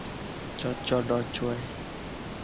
Cocodocoe.